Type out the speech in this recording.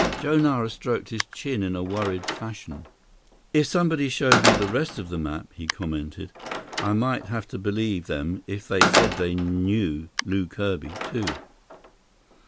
Joe Nara stroked his chin in worried fashion. "If somebody showed me the rest of the map," he commented, "I might have to believe them if they said they knew Lew Kirby, too."